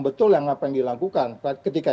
betul yang apa yang dilakukan ketika